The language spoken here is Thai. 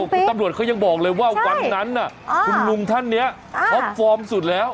คุณตำรวจเขายังบอกเลยว่าวันนั้นคุณลุงท่านนี้ท็อปฟอร์มสุดแล้ว